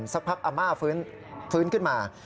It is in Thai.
สักพักอาม่าฟื้นขึ้นมา